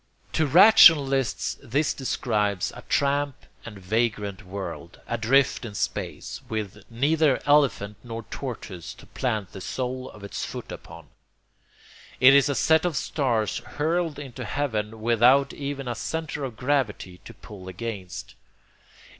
To rationalists this describes a tramp and vagrant world, adrift in space, with neither elephant nor tortoise to plant the sole of its foot upon. It is a set of stars hurled into heaven without even a centre of gravity to pull against.